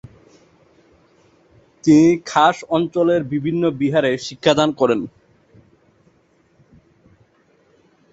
তিনি খাম্স অঞ্চলের বিভিন্ন বিহারে শিক্ষাদান করেন।